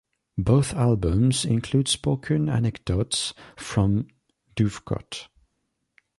Both albums include spoken anecdotes from Duvekot.